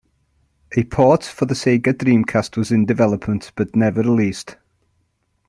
A port for the Sega Dreamcast was in development, but never released.